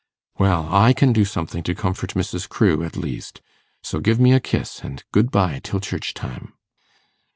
'Well, I can do something to comfort Mrs. Crewe, at least; so give me a kiss, and good bye till church time.